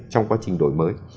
trong quá trình đổi mới